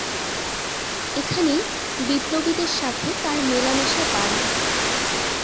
এখানেই বিপ্লবীদের সাথে তার মেলামেশা বাড়ে।